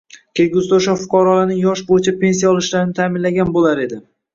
kelgusida o‘sha fuqarolarning yosh bo‘yicha pensiya olishlarini ta’minlagan bo‘lar edi